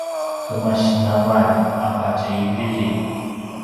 kemasi navalj a patje i viri